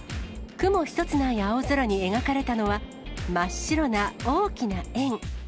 雲一つない青空に描かれたのは、真っ白な大きな円。